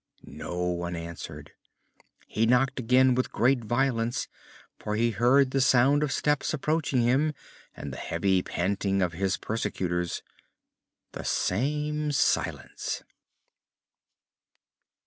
No one answered. He knocked again with great violence, for he heard the sound of steps approaching him and the heavy panting of his persecutors. The same silence.